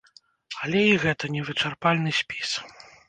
Але і гэта гэта не вычарпальны спіс.